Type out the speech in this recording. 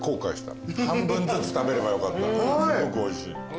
すごくおいしい。